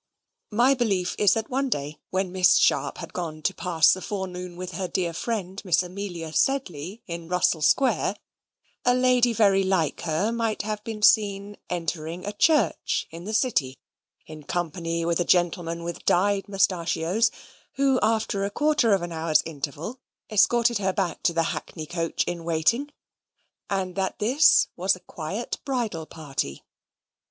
My belief is that one day, when Miss Sharp had gone to pass the forenoon with her dear friend Miss Amelia Sedley in Russell Square, a lady very like her might have been seen entering a church in the City, in company with a gentleman with dyed mustachios, who, after a quarter of an hour's interval, escorted her back to the hackney coach in waiting, and that this was a quiet bridal party.